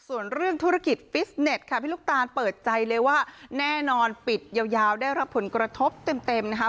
ส่วนเรื่องธุรกิจฟิสเน็ตค่ะพี่ลูกตาลเปิดใจเลยว่าแน่นอนปิดยาวได้รับผลกระทบเต็มนะคะ